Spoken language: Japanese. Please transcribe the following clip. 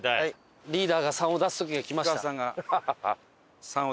リーダーが「３」を出す時がきました。